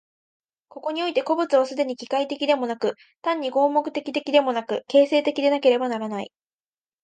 ここにおいて個物は既に機械的でもなく、単に合目的的でもなく、形成的でなければならない。